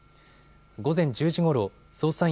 午前１０時ごろ捜査員